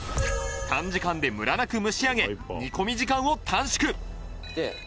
短時間でムラなく蒸し上げ煮込み時間を短縮